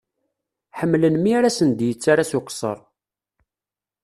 Ḥemmlen mi ara sen-d-yettara s uqesser.